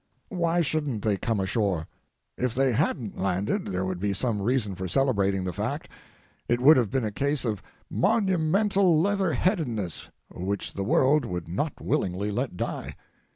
Why shouldn't they come ashore? If they hadn't landed there would be some reason for celebrating the fact: It would have been a case of monumental leatherheadedness which the world would not willingly let die.